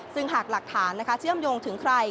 ซึ่งหากหลักฐานเชื่อมโยงถึงใคร